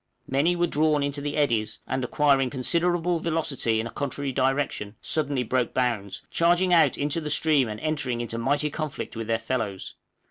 Many were drawn into the eddies, and, acquiring considerable velocity in a contrary direction, suddenly broke bounds, charging out into the stream and entering into mighty conflict with their fellows.